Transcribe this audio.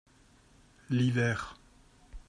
L'hiver.